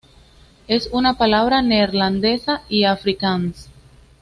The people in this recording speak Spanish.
Es una palabra neerlandesa y afrikáans.